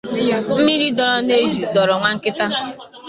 Mmiri dọrọ nʻeju dọọrọ nwankịta."